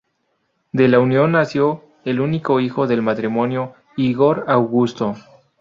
De la unión nació el único hijo del matrimonio, Igor Augusto.